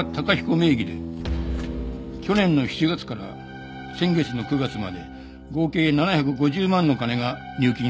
名義で去年の７月から先月の９月まで合計７５０万の金が入金されている。